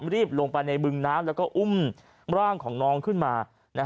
รีบลงไปในบึงน้ำแล้วก็อุ้มร่างของน้องขึ้นมา